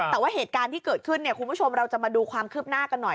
แต่ว่าเหตุการณ์ที่เกิดขึ้นเนี่ยคุณผู้ชมเราจะมาดูความคืบหน้ากันหน่อย